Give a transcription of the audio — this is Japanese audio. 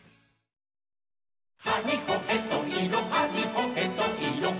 「はにほへといろはにほへといろは」